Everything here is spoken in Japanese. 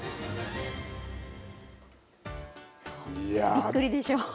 びっくりでしょ。